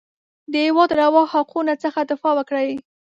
د هېواد روا حقونو څخه دفاع وکړي.